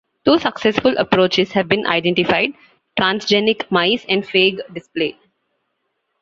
Two successful approaches have been identified: transgenic mice and phage display.